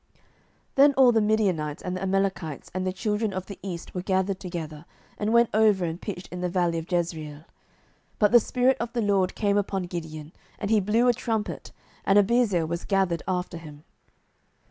07:006:033 Then all the Midianites and the Amalekites and the children of the east were gathered together, and went over, and pitched in the valley of Jezreel. 07:006:034 But the Spirit of the LORD came upon Gideon, and he blew a trumpet; and Abiezer was gathered after him.